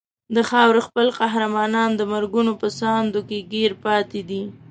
د خاورې خپل قهرمانان د مرګونو په ساندو کې ګیر پاتې دي.